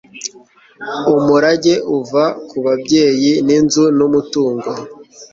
umurage uva ku babyeyi ni inzu n'umutungo